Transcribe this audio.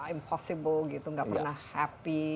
impossible gitu nggak pernah happy